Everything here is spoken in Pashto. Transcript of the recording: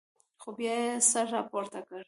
خو بیا یې سر راپورته کړ.